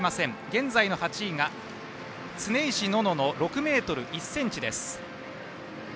現在の８位が恒石望乃の６ｍ１ｃｍです。